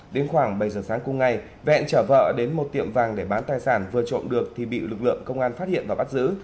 đến khoảng bảy giờ sáng cùng ngày vẹn chở vợ đến một tiệm vàng để bán tài sản vừa trộm được thì bị lực lượng công an phát hiện và bắt giữ